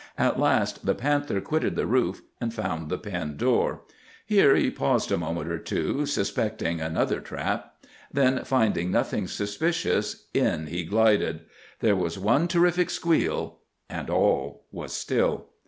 At last the panther quitted the roof, and found the pen door. Here he paused a moment or two, suspecting another trap. Then, finding nothing suspicious, in he glided. There was one terrific squeal, and all was still.